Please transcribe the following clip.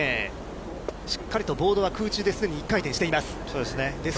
しっかりとボードは空中で１回転しています。